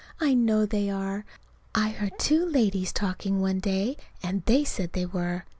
I know they are. I heard two ladies talking one day, and they said they were.